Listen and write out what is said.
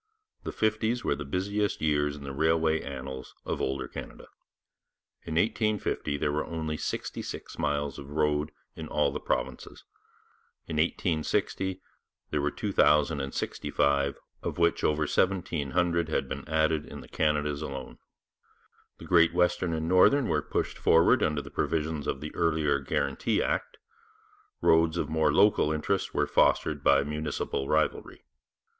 The fifties were the busiest years in the railway annals of older Canada. In 1850 there were only 66 miles of road in all the provinces. In 1860 there were 2065, of which over 1700 had been added in the Canadas alone. The Great Western and the Northern were pushed forward under the provisions of the earlier Guarantee Act; roads of more local interest were fostered by municipal rivalry.